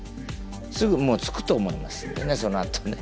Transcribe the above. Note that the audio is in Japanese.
すぐつくと思いますんでそのあとね。